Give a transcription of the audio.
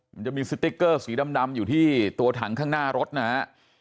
มันจะมีสติ๊กเกอร์สีดำอยู่ที่ตัวถังข้างหน้ารถนะฮะ